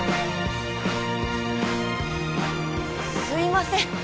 すいません。